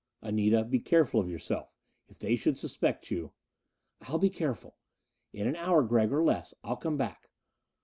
"Anita be careful of yourself! If they should suspect you...." "I'll be careful. In an hour, Gregg, or less, I'll come back.